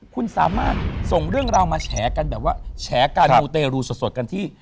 คุณสามารถส่งเรื่องราวมาแฉกันแบบว่าแฉการมูเตรูสดกันที่